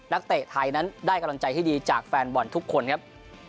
เตะไทยนั้นได้กำลังใจที่ดีจากแฟนบอลทุกคนครับ